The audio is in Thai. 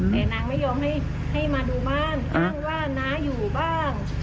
แต่นางไม่ยอมให้มาดูบ้านอ้างว่าน้าอยู่บ้าง